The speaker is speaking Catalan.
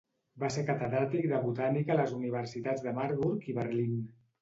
Va ser catedràtic de botànica a les universitats de Marburg i Berlín.